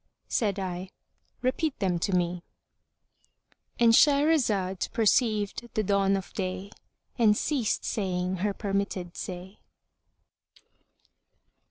Said I, "Repeat them to me;"——And Shahrazad perceived the dawn of day and ceased saying her permitted say.